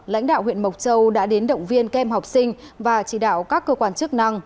lãnh đạo huyện mộc châu đã đến động viên kem học sinh và chỉ đạo các cơ quan chức năng